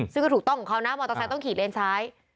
ซึ่งก็ถูกต้องของเขานะมอเตอร์ไซค์ต้องขี่เลนซ้าย